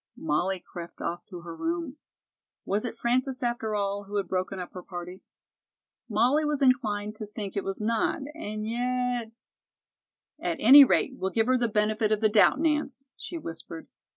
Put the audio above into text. Molly crept off to her room. Was it Frances, after all, who had broken up her party? Molly was inclined to think it was not, and yet "At any rate, we'll give her the benefit of the doubt, Nance," she whispered.